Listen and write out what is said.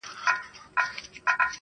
• چي به یې ته د اسمانو پر لمن ګرځولې -